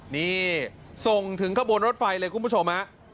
นี่ส่งถึงขบวนรถไฟเลยคุณผู้ชมฮะ